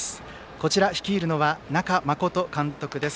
こちら率いるのは那賀誠監督です。